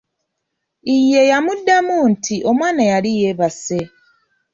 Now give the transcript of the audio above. Ye yamuddamu nti omwana yali yeebase.